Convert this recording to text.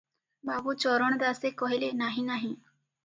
ବାବୁ ଚରଣ ଦାସେ କହିଲେ-ନାହିଁ, ନାହିଁ ।